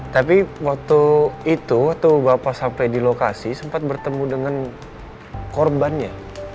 tapi waktu itu waktu bapak sampai di lokasi sempat bertemu dengan korbannya